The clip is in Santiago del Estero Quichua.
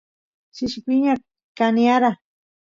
shishi piña kaniyara